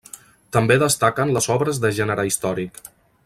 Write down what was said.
També destaquen les obres de gènere històric.